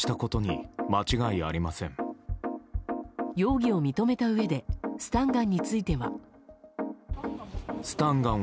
容疑を認めたうえでスタンガンについては。